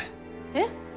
えっ？